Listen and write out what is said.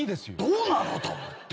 どうなのと思って。